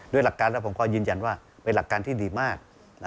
หลักการแล้วผมก็ยืนยันว่าเป็นหลักการที่ดีมาก